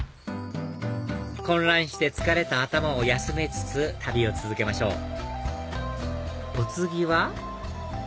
混乱して疲れた頭を休めつつ旅を続けましょうお次は？